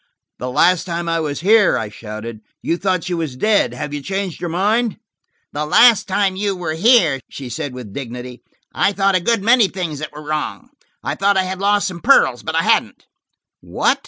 "The last time I was here," I shouted, "you thought she was dead; have you changed your mind?" "The last time you were here," she said with dignity, "I thought a good many things that were wrong. I thought I had lost some pearls, but I hadn't." "What!"